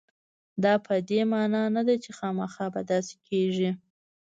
دا په دې معنا نه ده چې خامخا به داسې کېږي.